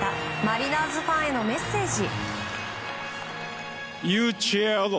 マリナーズファンへのメッセージ。